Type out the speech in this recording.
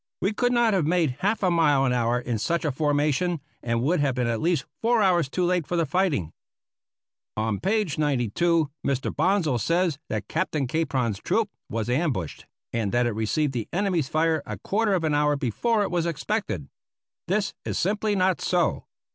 We could not have made half a mile an hour in such a formation, and would have been at least four hours too late for the fighting. On page 92 Mr. Bonsal says that Captain Capron's troop was ambushed, and that it received the enemy's fire a quarter of an hour before it was expected. This is simply not so.